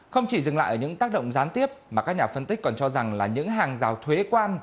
không chỉ dừng lại ở những tác động gián tiếp mà các nhà phân tích còn cho rằng là những hàng rào thuế quan